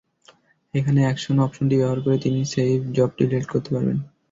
এখানে অ্যাকশন অপশনটি ব্যবহার করে তিনি সেইভড জবটি ডিলিট করতে পারবেন।